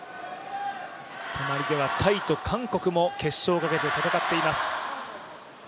隣ではタイと韓国も決勝をかけて戦っています。